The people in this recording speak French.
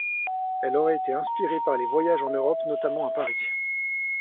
Elle aurait été inspirée par les voyages en Europe notamment à Paris.